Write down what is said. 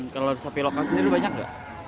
kalau sapi lokal sendiri banyak nggak